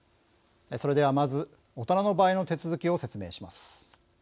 それではまず大人の場合の手続きを説明します。